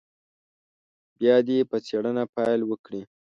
بیا دې په څېړنه پیل وکړي.